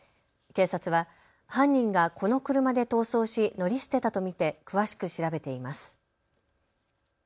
警察は犯人がこの車で逃走し乗り捨てたと見て詳しく調べています。